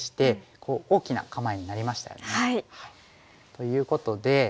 ということで。